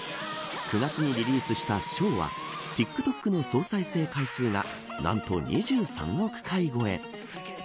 ９月にリリースした唱はＴｉｋＴｏｋの総再生回数が何と２３億回へ。